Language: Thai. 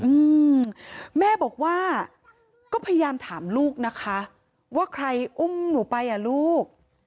อืมแม่บอกว่าก็พยายามถามลูกนะคะว่าใครอุ้มหนูไปอ่ะลูก